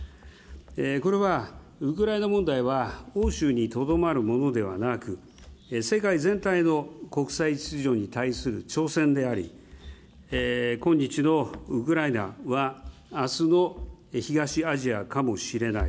これはウクライナ問題は欧州にとどまるものではなく、世界全体の国際秩序に対する挑戦であり、今日のウクライナは、あすの東アジアかもしれない。